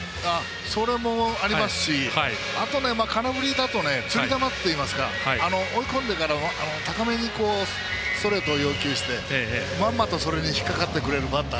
それもありますしあと空振りだとつり球っていいますか追い込んでからの高めにストレートを要求して、まんまとそれに引っ掛かってくれるバッター